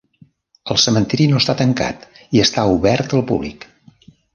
El cementiri no està tancat i està obert al públic.